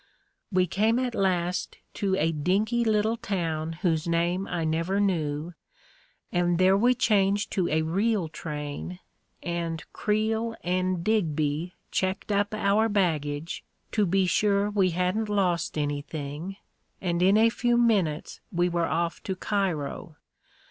We came at last to a dinky little town whose name I never knew, and there we changed to a real train, and Creel and Digby checked up our baggage, to be sure we hadn't lost anything, and in a few minutes we were off to Cairo.